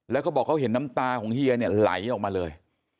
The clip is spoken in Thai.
แล้วก็บอกเขาเห็นน้ำตาของเฮียเนี่ยไหลออกมาเลย